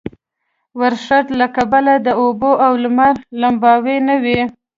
ورښت له کبله د اوبو او لمر لمباوې نه وې.